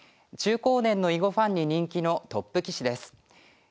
中高年の囲碁ファンに人気のトップ棋士です。